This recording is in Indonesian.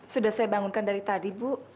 sudah saya bangunkan dari tadi bu